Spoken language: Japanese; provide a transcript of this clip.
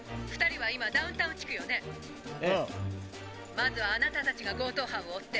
「まずあなたたちが強盗犯を追って。